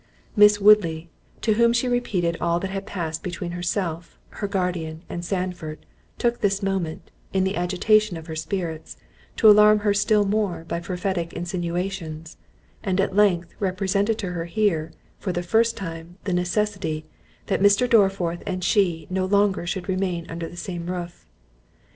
Miss Woodley, to whom she repeated all that had passed between herself, her guardian, and Sandford, took this moment, in the agitation of her spirits, to alarm her still more by prophetic insinuations; and at length represented to her here, for the first time, the necessity, "That Mr. Dorriforth and she no longer should remain under the same roof."